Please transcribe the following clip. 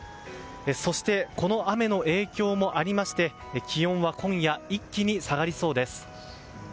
そしてこの雨の影響もありまして気温は今夜一気に下がりそうです。